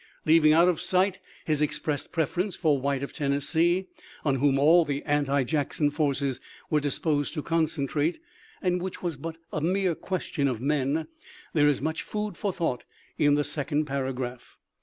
Leaving out of sight his ,• THE LIFE OF LINCOLN. 167 expressed preference for White of Tennessee, — on whom all the anti Jackson forces were disposed to concentrate, and which was but a mere question of men, — there is much food for thought in the second paragraph.